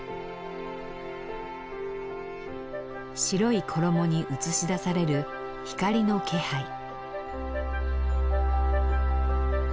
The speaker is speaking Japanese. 白い衣に映し出される光の気配。